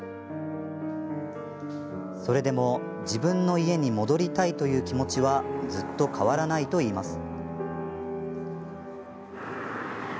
それでも、自分の家に戻りたいという気持ちはずっと変わらないといいます。